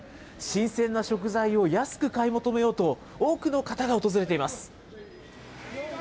新鮮な食材を安く買い求めようと、多くの方が訪れています。